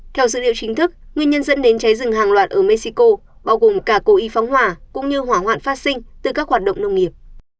theo dữ liệu chính thức nguyên nhân dẫn đến cháy rừng hàng loạt ở mexico bao gồm cả cố y phóng hỏa cũng như hỏa hoạn phát sinh từ các hoạt động nông nghiệp